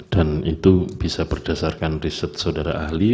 dan itu bisa berdasarkan riset saudara ahli